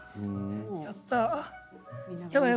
やった。